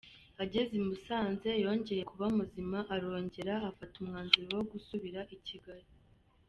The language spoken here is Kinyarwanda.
Ageze i Musanze yongeye kuba muzima arongera afata umwanzuro wo gusubira i Kigali.